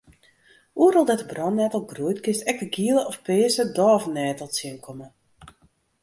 Oeral dêr't de brannettel groeit kinst ek de giele of pearse dôvenettel tsjinkomme.